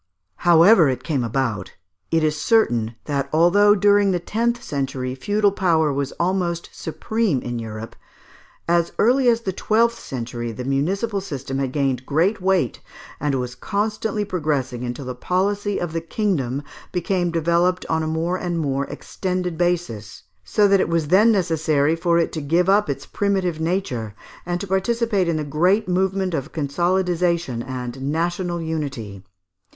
However it came about, it is certain that although during the tenth century feudal power was almost supreme in Europe, as early as the twelfth century the municipal system had gained great weight, and was constantly progressing until the policy of the kingdom became developed on a more and more extended basis, so that it was then necessary for it to give up its primitive nature, and to participate in the great movement of consolidisation and national unity.